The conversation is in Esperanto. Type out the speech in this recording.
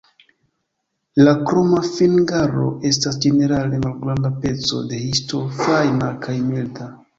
La kroma fingro estas ĝenerale malgranda peco de histo fajna kaj milda.